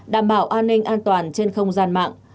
đảm bảo an ninh an toàn trên không gian mạng